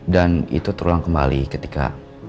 dan itu terulang kembali ketika